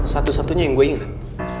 satu satunya yang gue ingat